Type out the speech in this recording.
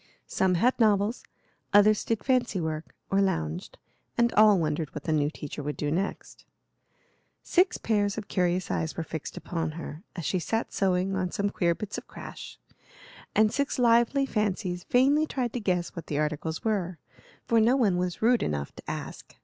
Some had novels, others did fancy work or lounged, and all wondered what the new teacher would do next. Six pairs of curious eyes were fixed upon her, as she sat sewing on some queer bits of crash, and six lively fancies vainly tried to guess what the articles were, for no one was rude enough to ask.